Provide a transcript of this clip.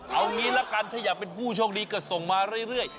เอางี้ละกันถ้าอยากเป็นผู้โชคดีก็ส่งมาเรื่อย